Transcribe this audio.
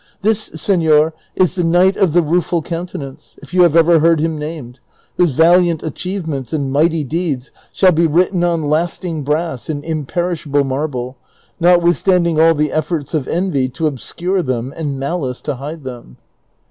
This, seiior, is the Knight of the Rueful Countenance, if you have ever heard him named, whose valiant achievements and mighty deeds shall be written on lasting brass and imperish able marble, notwithstanding all the efforts of envy to obscure them and malice to hide them."